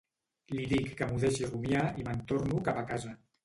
Li dic que m'ho deixi rumiar i me'n torno cap a casa.